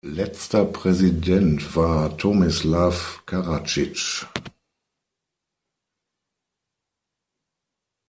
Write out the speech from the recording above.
Letzter Präsident war Tomislav Karadžić.